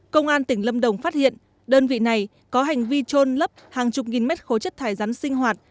công an tỉnh lâm đồng phát hiện đơn vị này có hành vi trôn lấp hàng chục nghìn mét khối chất thải rắn sinh hoạt